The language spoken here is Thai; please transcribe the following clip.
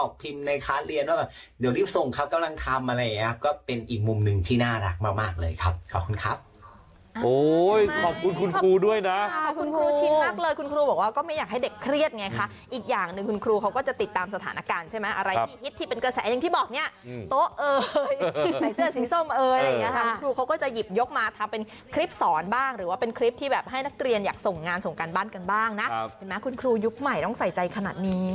ดีมากเลยคุณครูบอกว่าก็ไม่อยากให้เด็กเครียดไงคะอีกอย่างหนึ่งคุณครูเขาก็จะติดตามสถานการณ์ใช่ไหมอะไรที่ฮิตที่เป็นเกษตร์อย่างที่บอกเนี้ยโต๊ะเอ่ยใส่เสื้อสีส้มเอ่ยอะไรอย่างเงี้ยครับครูเขาก็จะหยิบยกมาทำเป็นคลิปสอนบ้างหรือว่าเป็นคลิปที่แบบให้นักเรียนอยากส่งงานส่งการบั้นกันบ้างนะครับเห็นไหมคุณ